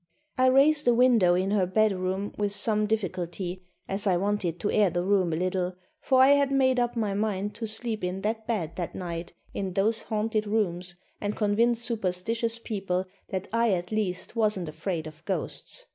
I raised a window in her bedroom with some difficulty, as I wanted to air the room a little, for I had made up my mind to sleep in that bed that night in those haunted rooms and convince superstitious people that I at least wasn't afraid of ghosts.